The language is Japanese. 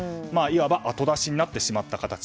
いわば後出しになってしまった形。